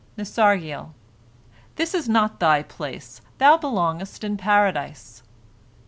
Nasargiel: "This is not thy place, thou belongest in Paradise."